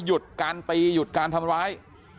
หยุดการตีหยุดการทำร้าย